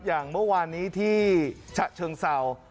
อย่างเมื่อวานนี้ที่ฉะเชิงเศร้า